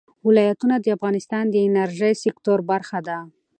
ولایتونه د افغانستان د انرژۍ سکتور برخه ده.